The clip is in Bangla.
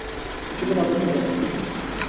কিছুদিন অপেক্ষা করো।